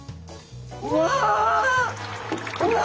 うわ。